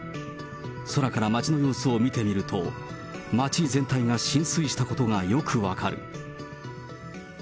空から町の様子を見てみると、町全体が浸水したことがよく分かる。